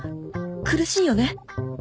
苦しいよね